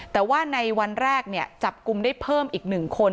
แต่ว่าในวันแรกจับกลุ่มได้เพิ่มอีก๑คน